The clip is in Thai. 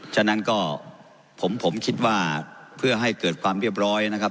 ฉะนั้นก็ผมคิดว่าเพื่อให้เกิดความเรียบร้อยนะครับ